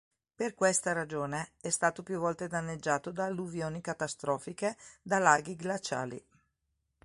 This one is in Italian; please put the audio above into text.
Per questa ragione è stato più volte danneggiato da alluvioni catastrofiche da laghi glaciali.